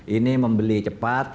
ini membeli cepat